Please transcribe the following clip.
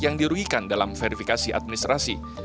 yang dirugikan dalam verifikasi administrasi